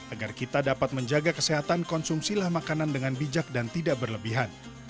agar kita dapat menjaga kesehatan konsumsilah makanan dengan bijak dan tidak berlebihan